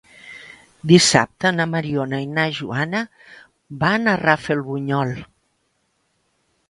Dissabte na Mariona i na Joana van a Rafelbunyol.